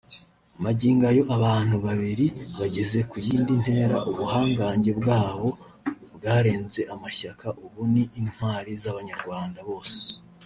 Magingo ayo bantu babiri bageze ku yindi ntera ubuhangange bwabo bwarenze amashyaka ubu ni intwari z’abanyarwanda bose